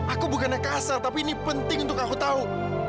aku bukannya kasar tapi ini penting untuk aku tahu